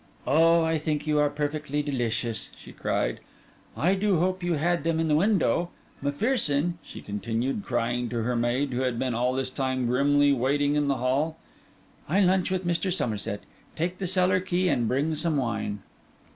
'Oh, I think you are perfectly delicious!' she cried. 'I do hope you had them in the window. M'Pherson,' she continued, crying to her maid, who had been all this time grimly waiting in the hall, 'I lunch with Mr. Somerset. Take the cellar key and bring some wine.